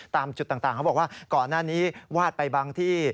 ตามจุดต่างเขาบอกว่าก่อนหน้านี้วาดไปบางที่